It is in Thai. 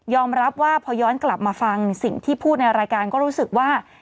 รับว่าพอย้อนกลับมาฟังสิ่งที่พูดในรายการก็รู้สึกว่า